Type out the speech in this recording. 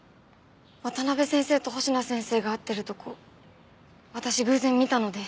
渡辺先生と星名先生が会ってるとこ私偶然見たので。